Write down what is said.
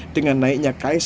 dengan naiknya kaesang